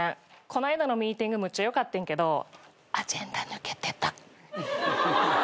この間のミーティングむっちゃよかってんけどアジェンダ抜けてた。